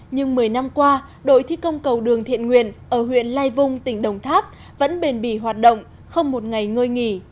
nhưng một mươi năm qua đội thi công cầu đường thiện nguyện ở huyện lai vung tỉnh đồng tháp vẫn bền bỉ hoạt động không một ngày ngơi nghỉ